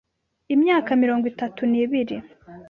imyaka mirongo itatu nibiri